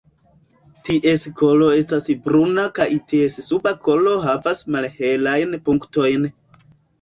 Ties kolo estas bruna kaj ties suba kolo havas malhelajn punktojn.